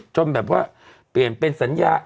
ก็จงเปลี่ยนเป็นสัญญา